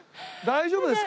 大丈夫。